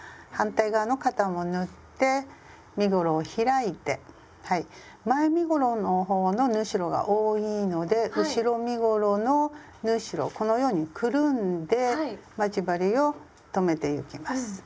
反対側の肩も縫って身ごろを開いて前身ごろの方の縫い代が多いので後ろ身ごろの縫い代をこのようにくるんで待ち針を留めてゆきます。